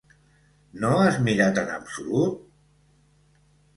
No has mirat en absolut?